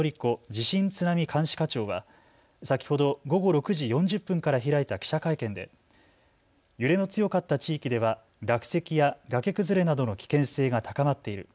地震津波監視課長は先ほど午後６時４０分から開いた記者会見で揺れの強かった地域では落石や崖崩れなどの危険性が高まっている。